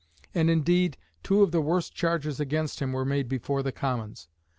And, indeed, two of the worst charges against him were made before the Commons.